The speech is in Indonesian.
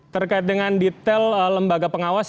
terkait dengan detail lembaga pengawas